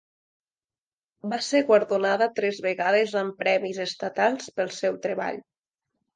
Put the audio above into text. Va ser guardonada tres vegades amb premis estatals pel seu treball.